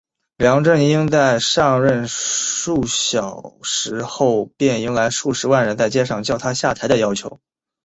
梁振英在上任数小时后便迎来数十万人在街上叫他下台的要求。